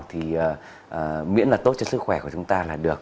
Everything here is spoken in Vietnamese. thì miễn là tốt cho sức khỏe của chúng ta là được